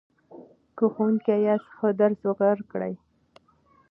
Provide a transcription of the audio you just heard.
که ښوونکی یاست ښه درس ورکړئ.